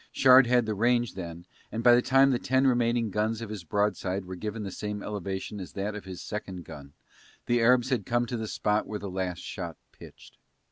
Shard had the range then and by the time the ten remaining guns of his broadside were given the same elevation as that of his second gun the Arabs had come to the spot where the last shot pitched.